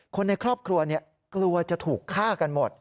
คนในครอบครัวกลัวจะถูกฆ่ากันหมด